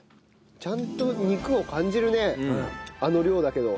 ちゃんと肉を感じるねあの量だけど。